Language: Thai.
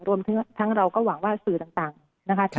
รวมทั้งเราก็หวังว่าสื่อต่างนะคะ